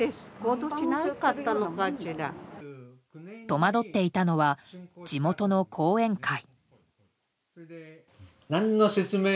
戸惑っていたのは地元の後援会。